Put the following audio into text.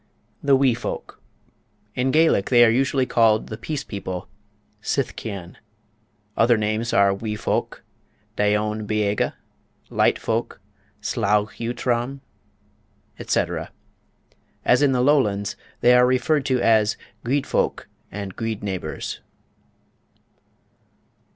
The Wee Folk. In Gaelic they are usually called "The Peace People" (sithchean). Other names are "Wee Folk" (daoine beaga); "Light Folk" (slaugh eutrom), etc. As in the Lowlands, they are also referred to as "guid fowk" and "guid neighbours."